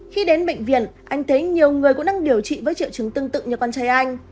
khi đến bệnh viện anh thấy nhiều người cũng đang điều trị với triệu chứng tương tự như con trai anh